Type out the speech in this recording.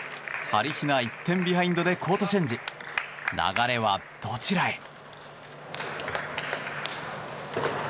ハリヒナ、１点ビハインドでコートチェンジ流れはどちらへ。